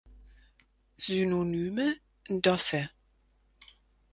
Synonyme: Doce.